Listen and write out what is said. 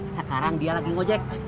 sekarang dia lagi ngejek